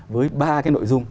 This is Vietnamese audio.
với ba cái nội dung